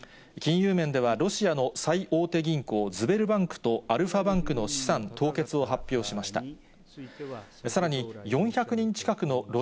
金融面ではロシアの最大手銀行、ズベルバンクとアルファバンクの資産凍結を発表しました。